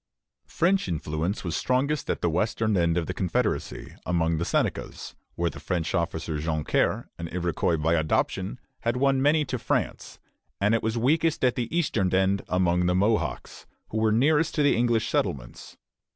French influence was strongest at the western end of the confederacy, among the Senecas, where the French officer Joncaire, an Iroquois by adoption, had won many to France; and it was weakest at the eastern end, among the Mohawks, who were nearest to the English settlements.